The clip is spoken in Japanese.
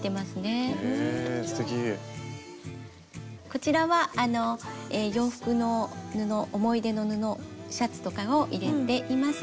こちらは洋服の布思い出の布シャツとかを入れています。